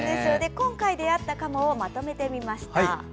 今回出会ったカモをまとめてみました。